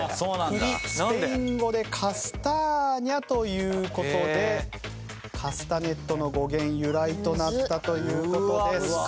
栗スペイン語で「カスターニャ」という事でカスタネットの語源由来となったという事です。